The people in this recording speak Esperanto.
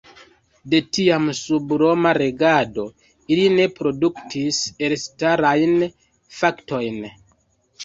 De tiam, sub roma regado, ili ne produktis elstarajn faktojn.